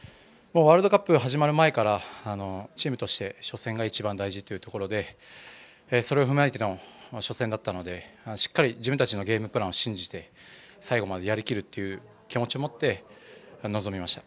ワールドカップ始まる前からチームとして初戦が一番大事というところでそれを踏まえての初戦だったのでしっかり自分たちのゲームプランを信じて最後までやり切るという気持ちを持って、臨みました。